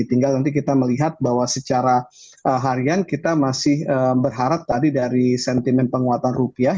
tinggal nanti kita melihat bahwa secara harian kita masih berharap tadi dari sentimen penguatan rupiah